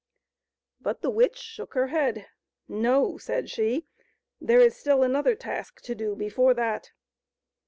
But the witch shook her head. •* No," said she, " there is still another task to do before that.